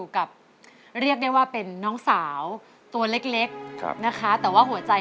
ไม่ได้ขอเก็บไว้